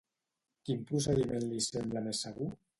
Quin procediment li sembla més segur?